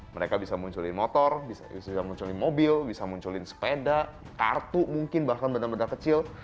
mereka bisa munculin motor bisa munculin mobil bisa munculin sepeda kartu mungkin bahkan benar benar kecil